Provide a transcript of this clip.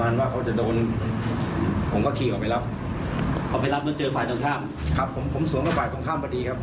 แล้วก็เหล่งมือผมก็ยิงไล่เข้าไป